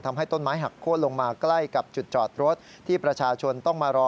ทำให้ต้นไม้หักโค้นลงมาใกล้กับจุดจอดรถที่ประชาชนต้องมารอ